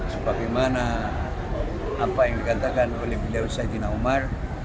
sebagaimana apa yang dikatakan oleh biliwis haji naumar